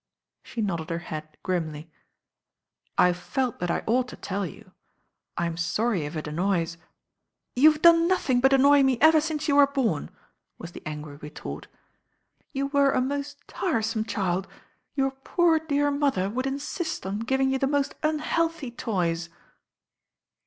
She nodded her head grimly. "I felt that I ought to tell you. I'm sorry if it anno3rs ^" "You've done nothing but annoy me ever since you were bom," was the angry retort. "You were a most tiresome child. Your poor, dear mother would insist on giving you the most unhealthy toys."